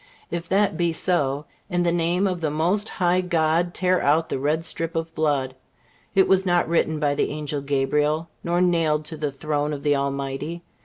If that be so, in the name of the Most High God, tear out the red strip of blood; it was not written by the Angel Gabriel, nor nailed to the throne of the Almighty.